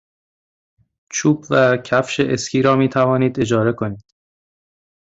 چوب و کفش اسکی را می توانید اجاره کنید.